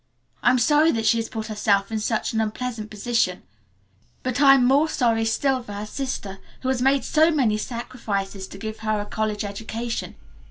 I am sorry that she has put herself in such an unpleasant position, but I am more sorry still for her sister, who has made so many sacrifices to give her a college education.